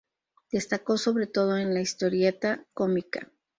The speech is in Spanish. Destacó sobre todo en la historieta cómica.